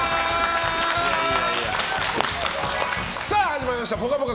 始まりました「ぽかぽか」